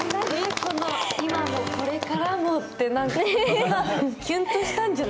この「今もこれからも」ってみんなキュンとしたんじゃない？